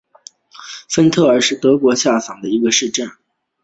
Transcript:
芬特尔是德国下萨克森州的一个市镇。